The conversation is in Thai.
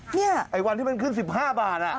นี่อันที่มันขึ้น๑๕บาทอ่ะโอ้โฮโอ้โฮ